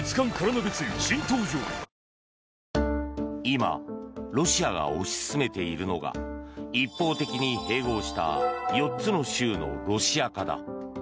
今、ロシアが推し進めているのが一方的に併合した４つの州のロシア化だ。